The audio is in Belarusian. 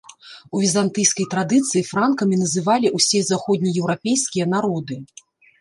У візантыйскай традыцыі франкамі называлі ўсе заходнееўрапейскія народы.